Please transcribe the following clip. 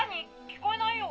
聞こえないよ